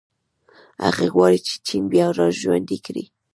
هغه غواړي چې چین بیا راژوندی کړي.